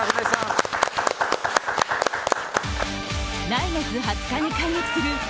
来月２０日に開幕するＦＩＦＡ